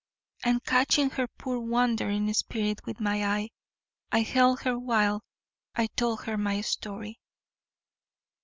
And catching her poor wandering spirit with my eye, I held her while I told her my story.